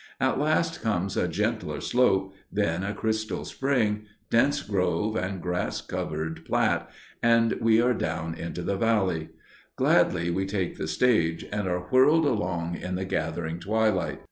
At last comes a gentler slope, then a crystal spring, dense grove and grass covered plat, and we are down into the valley. Gladly we take the stage, and are whirled along in the gathering twilight.